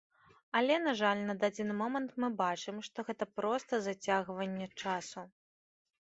Але, на жаль, на дадзены момант мы бачым, што гэта проста зацягванне часу.